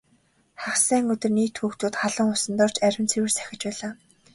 Хагас сайн өдөр нийт хүүхдүүд халуун усанд орж ариун цэвэр сахиж байлаа.